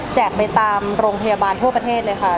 ไปตามโรงพยาบาลทั่วประเทศเลยค่ะ